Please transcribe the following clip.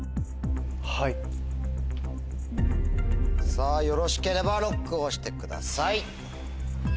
さぁよろしければＬＯＣＫを押してください。